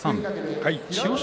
千代翔